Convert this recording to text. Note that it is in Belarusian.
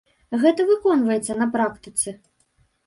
Гэта выконваецца на практыцы.